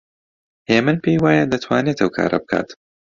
هێمن پێی وایە دەتوانێت ئەو کارە بکات.